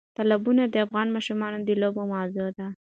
تالابونه د افغان ماشومانو د لوبو موضوع ده.